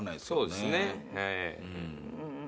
そうですねええ。